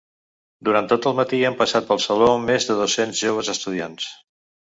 Durant tot el matí han passat pel saló més de dos-cents joves estudiants.